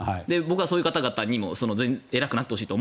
そういう方々にも偉くなってほしいと。